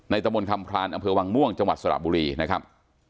ตะมนต์คำพรานอำเภอวังม่วงจังหวัดสระบุรีนะครับ